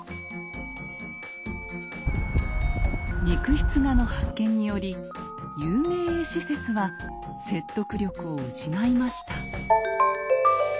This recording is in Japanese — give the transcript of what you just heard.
肉筆画の発見により有名絵師説は説得力を失いました。